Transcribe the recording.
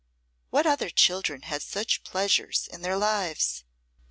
What other children had such pleasures in their lives?